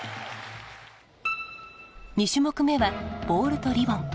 ２種目目はボールとリボン。